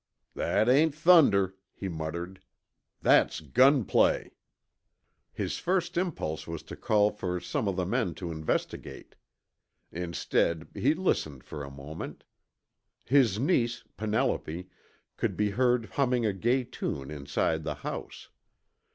"That ain't thunder," he muttered. "That's gunplay!" His first impulse was to call for some of the men to investigate. Instead, he listened for a moment. His niece, Penelope, could be heard humming a gay tune inside the house.